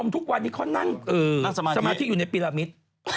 ทุกวันนี้เขานั่งสมาธิอยู่ในปีละมิตร